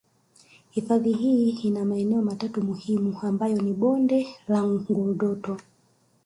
Hifadhi hii ina maeneo matatu muhimu ambayo ni bonde la Ngurdoto